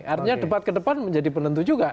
artinya debat ke depan menjadi penentu juga